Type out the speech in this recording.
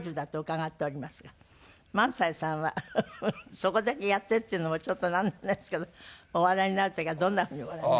そこだけやってっていうのもちょっとなんなんですけどお笑いになる時はどんなふうにお笑いになる？